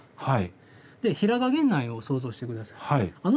平賀源内を想像して下さい。